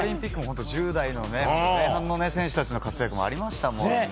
１０代の前半の選手の活躍もありましたもんね。